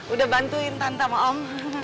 udah bantuin tante ma'am